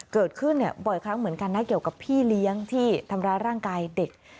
เกิดขึ้นบ่อยครั้งเหมือนกันนะเกี่ยวกับพี่เลี้ยงที่ทำร้ายร่างกายเด็ก